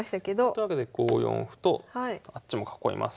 というわけで５四歩とあっちも囲います。